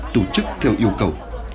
tổ chức theo yêu cầu